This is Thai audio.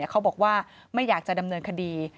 เขาบอกว่าไม่อยากจะดำเนินคดี